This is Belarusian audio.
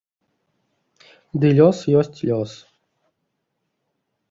Ды лёс ёсць лёс.